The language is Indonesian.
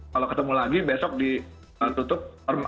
kalau ketemu lagi besok ditutup